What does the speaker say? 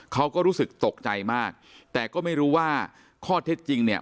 เขาก็รู้สึกตกใจมากแต่ก็ไม่รู้ว่าข้อเท็จจริงเนี่ย